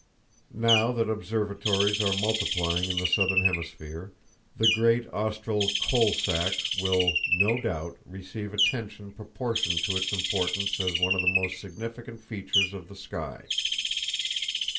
Now that observatories are multiplying in the southern hemisphere, the great austral "Coal sack" will, no doubt, receive attention proportioned to its importance as one of the most significant features of the sky.